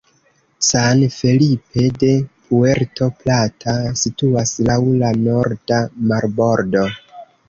San Felipe de Puerto Plata situas laŭ la norda marbordo.